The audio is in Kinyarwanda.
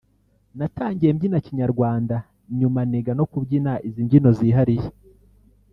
natangiye mbyina Kinyarwanda nyuma niga no kubyina izi mbyino zihariye